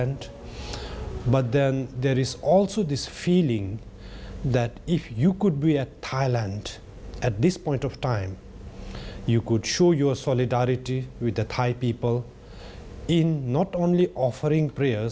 ในเวลาที่นี้คุณจะแสดงสัมพันธ์กับคนไทย